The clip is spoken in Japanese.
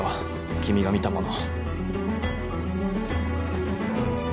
君が見たもの。